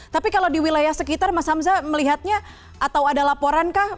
tapi kalau di wilayah sekitar mas hamzah melihatnya atau ada laporan kah